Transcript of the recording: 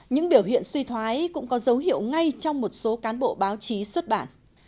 những biểu hiện suy thoái cũng có dấu hiệu ngay trong một số cán bộ báo chí xuất bản